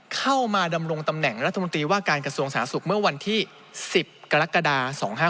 เข้ามาดำรงตำแหน่งรัฐมนตรีว่าการกระทรวงสาธารณสุขเมื่อวันที่๑๐กรกฎา๒๕๖